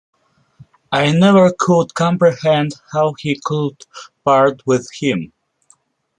I never could comprehend how he could part with him.